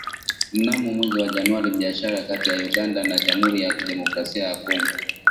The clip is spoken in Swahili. Mnamo mwezi Januari biashara kati ya Uganda na jamhuri ya kidemokrasia ya Kongo